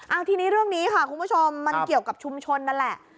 เอาทีนี้เรื่องนี้ค่ะคุณผู้ชมมันเกี่ยวกับชุมชนนั่นแหละ